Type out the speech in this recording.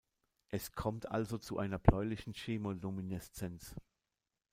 Es kommt also zu einer bläulichen Chemolumineszenz.